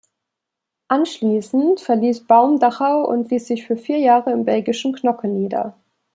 Anschließend verließ Baum Dachau und ließ sich für vier Jahre im belgischen Knokke nieder.